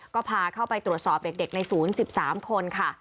ก็พาเข้าไปตรวจสอบให้ยาชนิจความแท้ในศูนย์๑๓คน